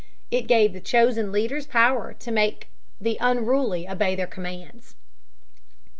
It gave the chosen leaders power to make the unruly obey their commands.